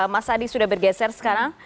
mas adi sudah bergeser sekarang